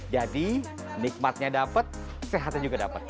jadi nikmatnya dapat sehatnya juga dapat